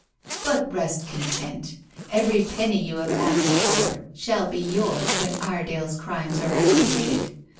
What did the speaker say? "But rest content. Every penny you have asked for shall be yours when Iredale's crimes are expiated.